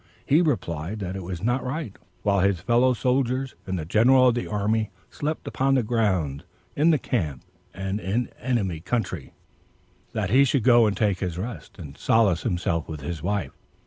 He replied, that it was not right, while his fellow soldiers, and the general of the army, slept upon the ground, in the camp, and in an enemy's country, that he should go and take his rest, and solace himself with his wife.